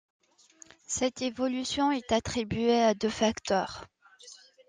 Cette évolution est attribuée à deux facteurs.